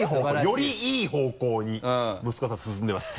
よりいい方向に息子さん進んでます。